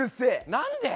何で？